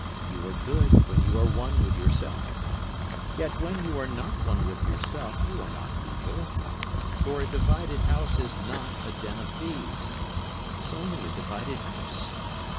You are good when you are one with yourself. Yet when you are not one with yourself you are not evil. For a divided house is not a den of thieves; it is only a divided house.